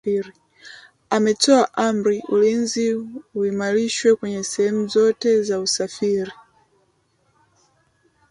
ametoa amri ulinzi uimarishwe kwenye sehemu zote za usafiri